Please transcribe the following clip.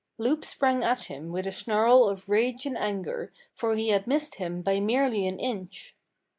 Loup sprang at him with a snarl of rage and anger, for he had missed him by merely an inch.